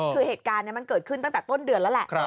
คือเหตุการณ์มันเกิดขึ้นตั้งแต่ต้นเดือนแล้วแหละ